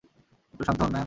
একটু শান্ত হোন, ম্যাম!